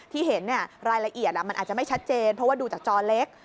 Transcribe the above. ที่เห็นรายละเอียดมันอาจจะไม่ชัดเจนเพราะว่าดูจากจอเล็ก